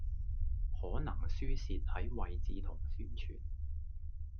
可能輸蝕喺位置同宣傳